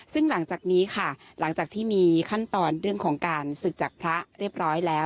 ซึ่งหลังจากนี้ค่ะหลังจากที่มีขั้นตอนเรื่องของการศึกจากพระเรียบร้อยแล้ว